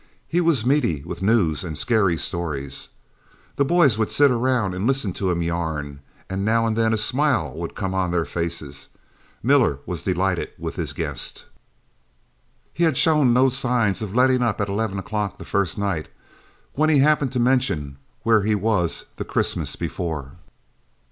He was meaty with news and scarey stories. The boys would sit around and listen to him yarn, and now and then a smile would come on their faces. Miller was delighted with his guest. He had shown no signs of letting up at eleven o'clock the first night, when he happened to mention where he was the Christmas before.